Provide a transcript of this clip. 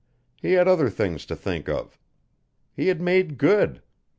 He had other things to think of. He had made good.